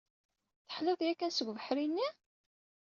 Teḥliḍ yakan seg ubeḥri-nni?